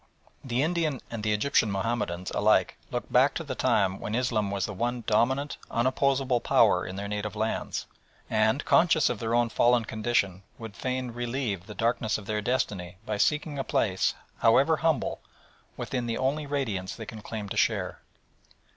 The Indian and the Egyptian Mahomedans alike look back to the time when Islam was the one dominant, unopposable power in their native lands, and, conscious of their own fallen condition, would fain relieve the darkness of their destiny by seeking a place, however humble, within the only radiance they can claim to share.